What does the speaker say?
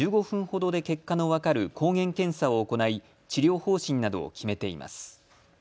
１５分ほどで結果の分かる抗原検査を行い、治療方針などを決めています。